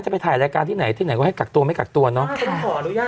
ไปถ่ายรายการที่ไหนที่ไหนก็ให้กักตัวไม่กักตัวเนาะ